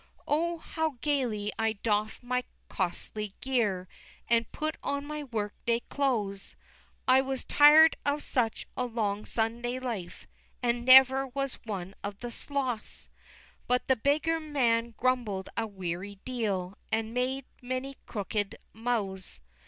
XXVII. Oh, how gaily I doff'd my costly gear, And put on my work day clothes; I was tired of such a long Sunday life, And never was one of the sloths; But the beggar man grumbled a weary deal, And made many crooked mouths.